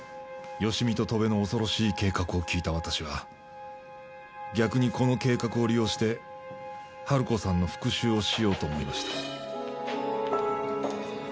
芳美と戸辺の恐ろしい計画を聞いた私は逆にこの計画を利用して春子さんの復讐をしようと思いました。